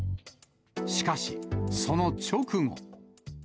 しかし、その直後。